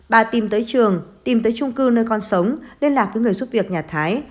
bà tìm tới trường tìm tới trung cư nơi con sống liên lạc với người giúp việc nhà thái